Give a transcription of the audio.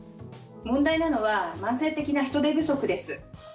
問題なのは慢性的な人手不足です。